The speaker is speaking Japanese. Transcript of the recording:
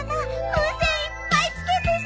風船いっぱい付けてさ！